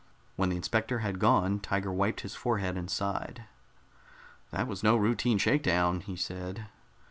When the inspector had gone, Tiger wiped his forehead and sighed. "That was no routine shakedown!" he said.